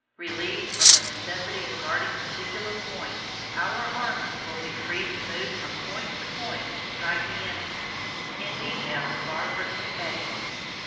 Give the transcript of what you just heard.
Relieved from the necessity of guarding particular points, our army will be free to move from point to point to strike the enemy in detail far from his base.